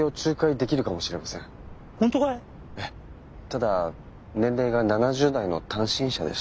ただ年齢が７０代の単身者でして。